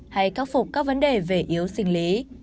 hay khắc phục các vấn đề về yếu sinh lý